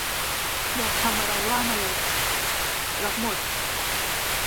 อยากทำอะไรว่ามาเลอ รับหมด